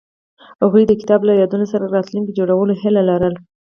هغوی د کتاب له یادونو سره راتلونکی جوړولو هیله لرله.